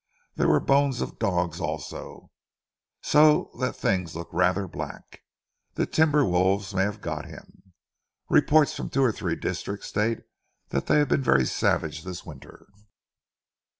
There were the bones of dogs also, so that things look rather black. The timber wolves may have got him. Reports from two or three districts state they have been very savage this winter."